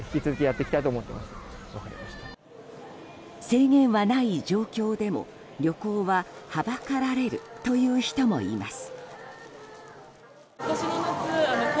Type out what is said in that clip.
制限はない状況でも、旅行ははばかられるという人もいます。